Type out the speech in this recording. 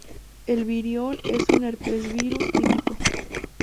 El virión es un herpesvirus típico.